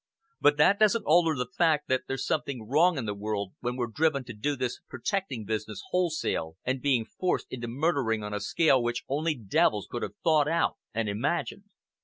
But that doesn't alter the fact that there's something wrong in the world when we're driven to do this protecting business wholesale and being forced into murdering on a scale which only devils could have thought out and imagined.